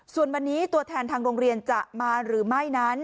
ส่วนวันนี้ตัวแทนทางโรงเรียนจะมาหรือไม่นั้น